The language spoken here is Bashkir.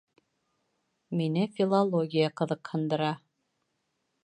Мине филология ҡыҙыҡһындыра